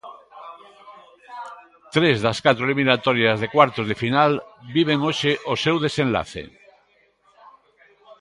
Tres das catro eliminatorias de cuartos de final viven hoxe o seu desenlace.